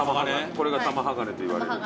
これが玉鋼といわれる。